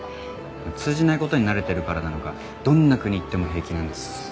通じない事に慣れてるからなのかどんな国行っても平気なんです。